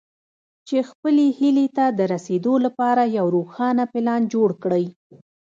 چې خپلې هيلې ته د رسېدو لپاره يو روښانه پلان جوړ کړئ.